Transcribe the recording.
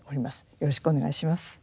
よろしくお願いします。